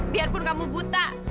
biarpun kamu buta